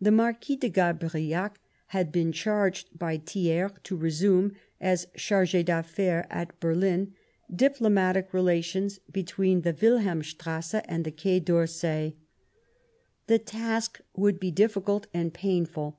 The Marquis de Gabriac had been charged by Thiers to resume, as Charge d'Affair, es at Berlin, diplomatic relations between the Wilhelmstrasse and the Quai d'Orsay ; the task would be difficult and painful.